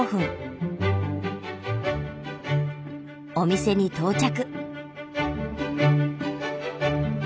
お店に到着。